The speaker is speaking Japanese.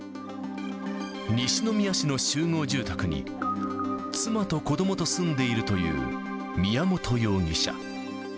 西宮市の集合住宅に、妻と子どもと住んでいるという宮本容疑者。